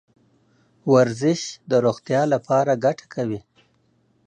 ورزش د روغتیا لپاره ګټه کوي .